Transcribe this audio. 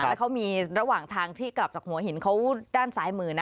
แล้วเขามีระหว่างทางที่กลับจากหัวหินเขาด้านซ้ายมือนะ